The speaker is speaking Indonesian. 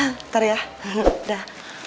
ntar ya udah